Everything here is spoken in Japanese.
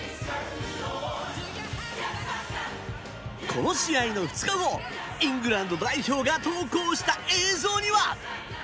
この試合の２日後イングランド代表が投稿した映像には。